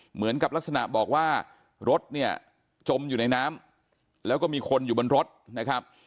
เหมือนกับลักษณะบอกว่ารถเนี่ยจมอยู่ในน้ำแล้วก็มีคนอยู่บนรถนะครับ